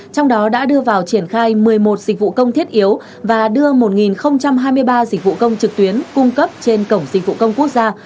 trong đó đã đưa vào triển khai một mươi một dịch vụ công thiết yếu và đưa một hai mươi ba dịch vụ công trực tuyến cung cấp trên cổng dịch vụ công quốc gia